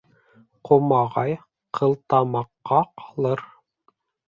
Ҡомағай ҡылтамаҡҡа ҡалыр.